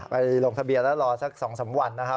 ลงทะเบียนแล้วรอสัก๒๓วันนะครับ